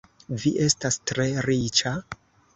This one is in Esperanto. Vi estas tre riĉa?